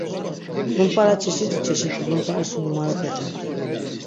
Zumpara, çeşidi çeşidi zumparaşi numarapeten.